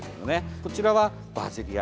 こちらはバーゼリア。